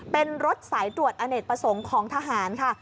เป็นรถสายตรวจอเนกประสงค์ของทหารค่ะ